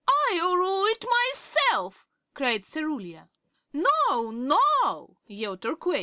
"I'll rule it myself!" cried Cerulia. "No, no!"